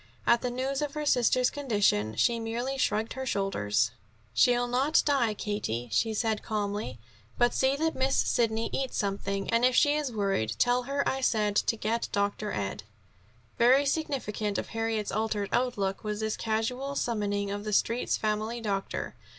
At the news of her sister's condition, she merely shrugged her shoulders. "She'll not die, Katie," she said calmly. "But see that Miss Sidney eats something, and if she is worried tell her I said to get Dr. Ed." Very significant of Harriet's altered outlook was this casual summoning of the Street's family doctor.